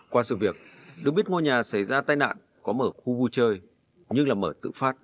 qua sự việc được biết ngôi nhà xảy ra tai nạn có mở khu vui chơi nhưng là mở tự phát